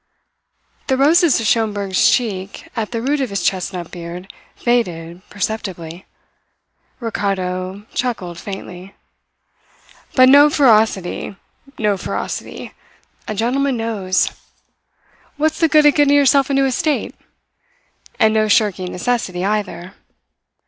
The roses of Schomberg's cheek at the root of his chestnut beard faded perceptibly. Ricardo chuckled faintly. "But no ferocity no ferocity! A gentleman knows. What's the good of getting yourself into a state? And no shirking necessity, either.